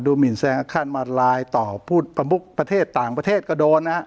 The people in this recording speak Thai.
หมินแซงอาคารมาลายต่อผู้ประมุกประเทศต่างประเทศก็โดนนะ